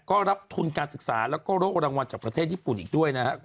ก็รับทุนการศึกษาแล้วก็โรครางวัลจากประเทศญี่ปุ่นอีกด้วยนะครับ